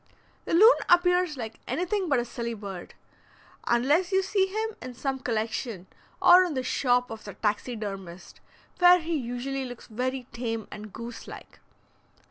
The loon appears like anything but a silly bird, unless you see him in some collection, or in the shop of the taxidermist, where he usually looks very tame and goose like.